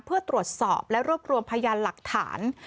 เพื่อตรวจสอบและรวบรวมพยานหลักฐาน